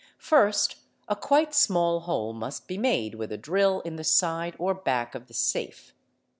First a quite small hole must be made with a drill in the side or back of the safe.